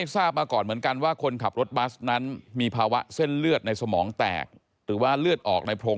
ตรวจครบหลังจะเกิดเหตุเหมือนกัน